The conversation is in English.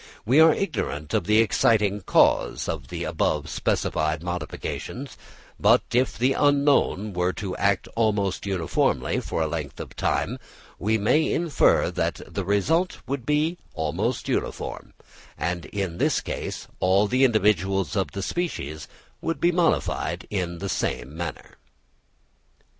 We are ignorant of the exciting cause of the above specified modifications; but if the unknown cause were to act almost uniformly for a length of time, we may infer that the result would be almost uniform; and in this case all the individuals of the species would be modified in the same manner.